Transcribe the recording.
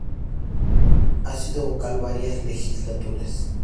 Ha sido vocal varias legislaturas.